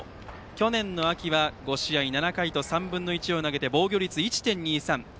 去年の秋は５試合７回と３分の１を投げて防御率１．２３。